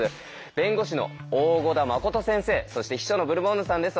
弁護士の大胡田誠先生そして秘書のブルボンヌさんです。